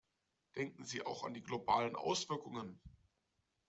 Denken Sie auch an die globalen Auswirkungen.